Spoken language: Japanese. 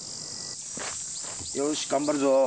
よーし、頑張るぞ。